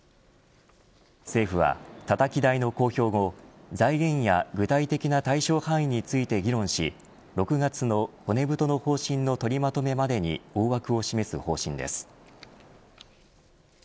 政府は、たたき台の公表後財源や具体的な対象範囲について議論し６月の骨太の方針のとりまとめまでに大枠を示す方針です。